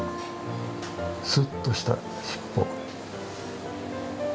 すっとした尻尾。